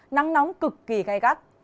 nắng nóng cực kỳ gai gắt